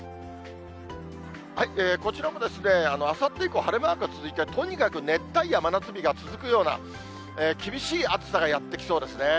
こちらもあさって以降、晴れマークが続いて、とにかく熱帯夜、真夏日が続くような、厳しい暑さがやって来そうですね。